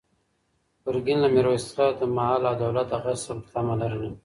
ګرګین له میرویس څخه د مال او دولت د غصب طمع لرله.